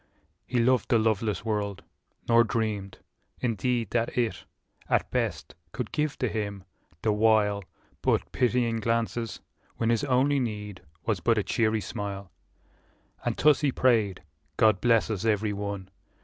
He loved the loveless world, nor dreamed, in deed. That it, at best, could give to him, the while. But pitying glances, when his only need Was but a cheery smile. And thus he prayed, " God bless us every one!"